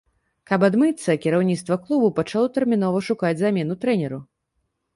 Каб адмыцца, кіраўніцтва клубу пачало тэрмінова шукаць замену трэнеру.